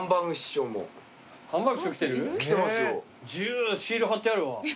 シール貼ってあるわ。